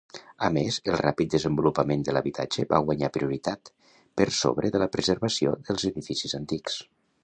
A més, el ràpid desenvolupament de l'habitatge va guanyar prioritat per sobre de la preservació dels edificis antics.